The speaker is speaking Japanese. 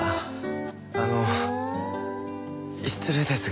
あの失礼ですが。